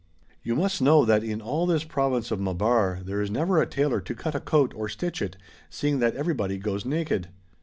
You must know that in ail this Province ot INlaabar there is never a Tailor to cut a coat or stitch it, seeing that everybody goes naked